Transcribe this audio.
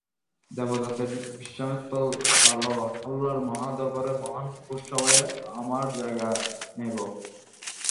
দেবতাদের বিশ্রামস্থল, ভালহাল্লার মহা দরবারে মহান ভোজসভায় আমার জায়গা নেব।